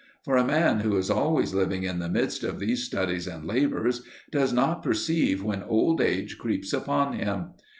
For a man who is always living in the midst of these studies and labours does not perceive when old age creeps upon him.